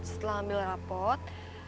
setelah ambil rapot